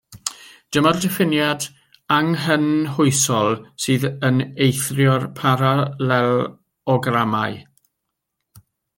Dyma'r diffiniad anghynhwysol, sydd yn eithrio'r paralelogramau.